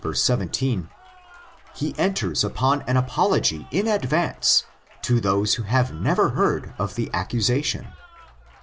17) he enters upon an apology in advance to those who have never heard of the accusation.